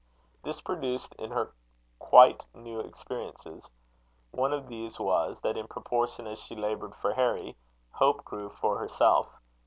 This produced in her quite new experiences. One of these was, that in proportion as she laboured for Harry, hope grew for herself.